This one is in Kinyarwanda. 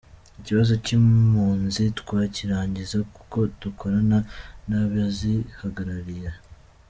Ikibazo cy’impunzi twakirangiza kuko dukorana n’abazihagarariye.